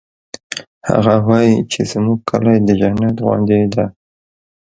هغه وایي چې زموږ کلی د جنت غوندی ده